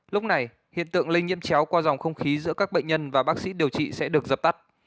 lúc này hiện tượng lây nhiễm chéo qua dòng không khí giữa các bệnh nhân và bác sĩ điều trị sẽ được dập tắt